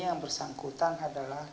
yang bersangkutan adalah